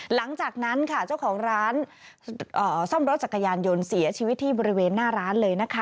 หลังจากนั้นค่ะเจ้าของร้านซ่อมรถจักรยานยนต์เสียชีวิตที่บริเวณหน้าร้านเลยนะคะ